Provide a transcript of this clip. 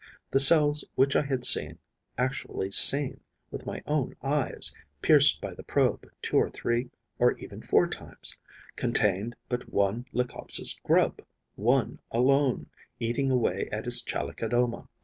The cells which I had seen, actually seen, with my own eyes, pierced by the probe two or three or even four times, contained but one Leucopsis grub, one alone, eating away at its Chalicodoma.